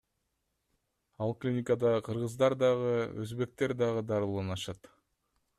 Ал клиникада кыргыздар дагы, өзбектер дагы дарыланышат.